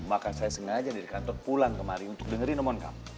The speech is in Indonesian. maka saya sengaja dari kantor pulang kemari untuk dengerin nomor kami